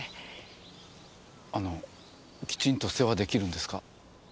あのキチンと世話できるんですか？